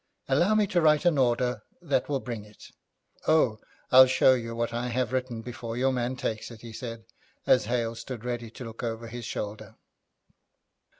Allow me to write an order that will bring it. Oh, I'll show you what I have written before your man takes it,' he said, as Hale stood ready to look over his shoulder.